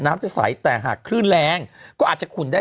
น้ำจะใสแต่หากคลื่นแรงก็อาจจะขุ่นได้